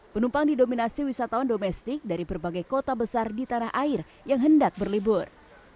penumpang didominasi wisatawan domestik dari berbagai kota besar di tanah air yang hendak berlibur